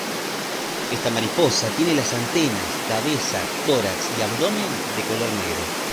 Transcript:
Esta mariposa tiene las antenas, cabeza, tórax y abdomen de color negro.